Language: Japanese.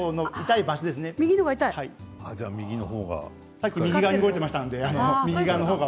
さっき右に動いていましたね。